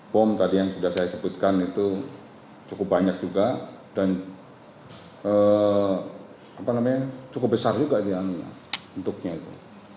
bom tadi yang sudah saya sebutkan itu cukup banyak juga dan cukup besar juga bentuknya itu